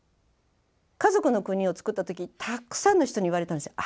「かぞくのくに」を作った時たくさんの人に言われたんですよ。